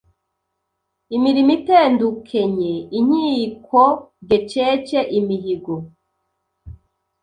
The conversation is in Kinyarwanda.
imirimo itendukenye: inkiko gecece, imihigo